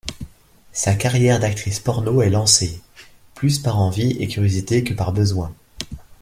Sa carrière d'actrice porno est lancée, plus par envie et curiosité que par besoin.